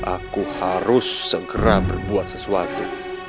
aku harus segera berbuat sesuatu